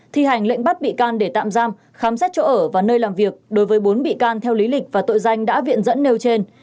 thi hành lệnh bắt bị can để tạm giam khám xét chỗ ở và nơi làm việc đối với bốn bị can theo lý lịch và tội danh đã viện dẫn nêu trên